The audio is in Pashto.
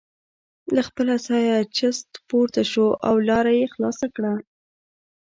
له خپله ځایه چست پورته شو او لاره یې خلاصه کړه.